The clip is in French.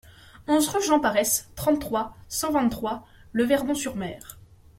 onze rue Jean Pares, trente-trois, cent vingt-trois, Le Verdon-sur-Mer